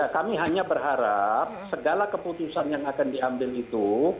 kami hanya berharap segala keputusan yang akan diambil itu